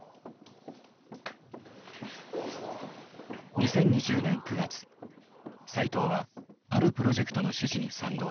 ２０２０年９月斉藤はあるプロジェクトの趣旨に賛同し参加を決めた。